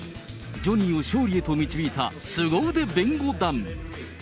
ジョニーを勝利へと導いたスゴ腕弁護団。